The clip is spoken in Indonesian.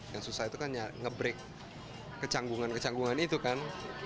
yang susah itu kan ya nge break kecanggungan kecanggungan itu kan